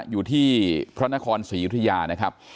อยู่ที่พระนครศรียุธยานะครับ